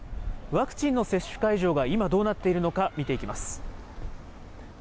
ワクチンの接種会場が今どうなっているのか見ていきます。